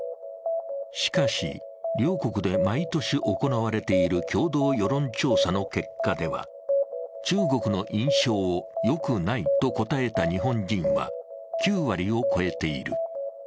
しかし、両国で毎年行われている共同世論調査の結果では、中国の印象を、よくないと答えた日本人は９割を超えている。